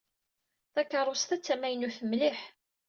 Takeṛṛust-a d tamaynut mliḥ.